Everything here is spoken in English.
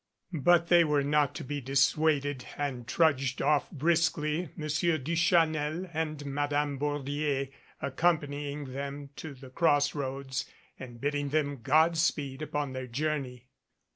But they were not to be dissuaded and trudged off briskly, Monsieur Duchanel and Madame Bordier ac companying them to the cross roads and bidding them God speed upon their journey.